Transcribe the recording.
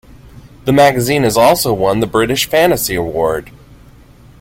The magazine has also won the British Fantasy Award.